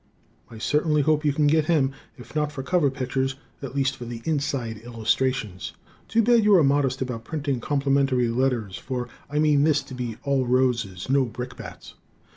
I certainly hope you can get him, if not for cover pictures, at least for the inside illustrations. (Too bad you are modest about printing complimentary letters, for I mean this to be all roses, no brickbats.)